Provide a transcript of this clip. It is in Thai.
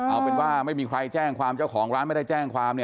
เอาเป็นว่าไม่มีใครแจ้งความและเราไม่แจ้งความ